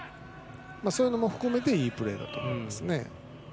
そういうのを含めいいプレーだと思います。